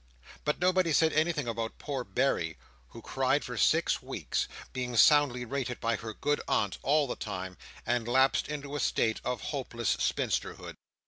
But nobody said anything about poor Berry, who cried for six weeks (being soundly rated by her good aunt all the time), and lapsed into a state of hopeless spinsterhood.